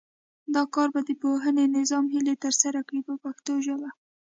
دا کار به د پوهنې نظام هیلې ترسره کړي په پښتو ژبه.